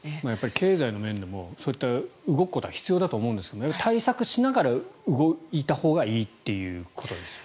経済の面でもそういった動くことは必要だと思うんですが対策しながら動いたほうがいいということですね。